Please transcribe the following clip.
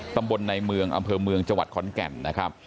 ตำบลในเมืองอำเภอเมืองจังหวัดขอนแก่นนะครับ